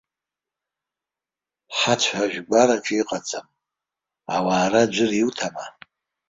Ҳацә ажәгәараҿы иҟаӡам, ауаара аӡәыр иуҭама?